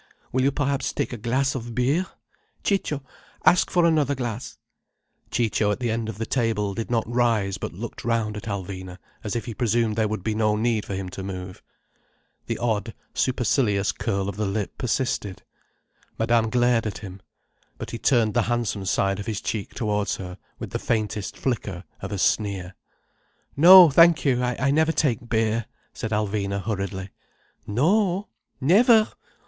Will you perhaps take a glass of beer? Ciccio, ask for another glass—" Ciccio, at the end of the table, did not rise, but looked round at Alvina as if he presumed there would be no need for him to move. The odd, supercilious curl of the lip persisted. Madame glared at him. But he turned the handsome side of his cheek towards her, with the faintest flicker of a sneer. "No, thank you. I never take beer," said Alvina hurriedly. "No? Never?